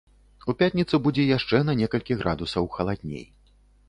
У пятніцу будзе яшчэ на некалькі градусаў халадней.